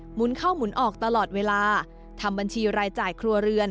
หุนเข้าหมุนออกตลอดเวลาทำบัญชีรายจ่ายครัวเรือน